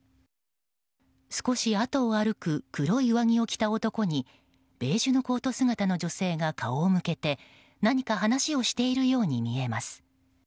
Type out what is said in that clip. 少しあとを歩く黒い上着を着た男にベージュのコート姿の女性が顔を向けて何か話をしているように見えます。